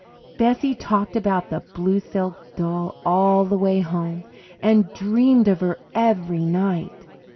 Bessie talked about the blue silk doll all the way home and dreamed of her every night.